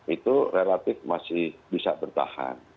itu relatif masih bisa bertahan